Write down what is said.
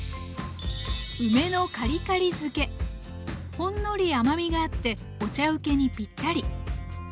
ほんのり甘みがあってお茶請けにぴったり。